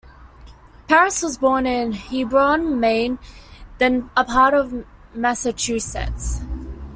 Parris was born in Hebron, Maine, then a part of Massachusetts.